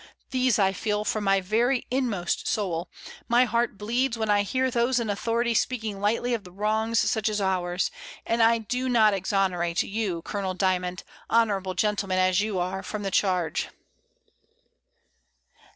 These I feel from my very inmost soul: my heart bleeds when I hear those in authority speaking lightly of wrongs such as ours, and I do not ex onerate you, Colonel Dymond, honourable gentle man as you are, from the charge."